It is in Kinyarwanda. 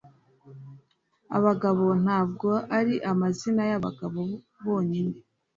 Abagabo ntabwo ari amazina yabagabo bonyine